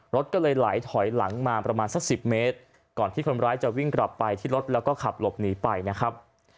รถก็เลยไหลถอยหลังมาประมาณสัก๑๐เมตรก่อนที่คนร้ายจะวิ่งกลับไปที่รถแล้วก็ขับหลบหนีไปนะครับ